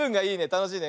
たのしいね。